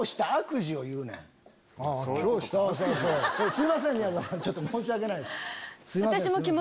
すいません宮沢さん申し訳ないです。